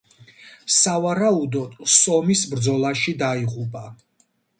სავარაუდოდ სომის ბრძოლაში დაიღუპა.